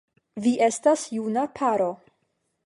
Vi estas juna paro.